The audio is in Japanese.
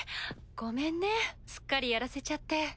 ごめんねすっかりやらせちゃって。